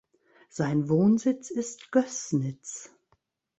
Sein Wohnsitz ist Gößnitz.